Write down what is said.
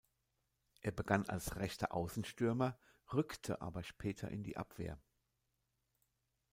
Er begann als rechter Außenstürmer, rückte aber später in die Abwehr.